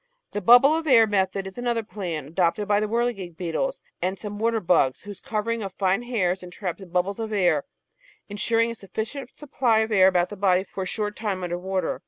The bubble of air method is another plan, adopted by Whirligig Beetles and some water bugs, whose covering of fine hairs entraps bubbles of air, ensuring a sufficient supply of air about the body for a short time under water.